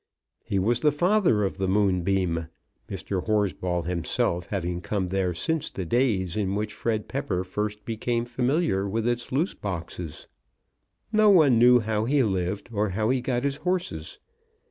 He was the father of the Moonbeam, Mr. Horsball himself having come there since the days in which Fred Pepper first became familiar with its loose boxes. No one knew how he lived or how he got his horses.